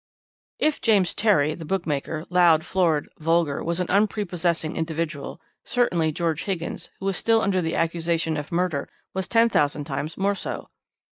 "If James Terry, the bookmaker, loud, florid, vulgar, was an unprepossessing individual, certainly George Higgins, who was still under the accusation of murder, was ten thousand times more so.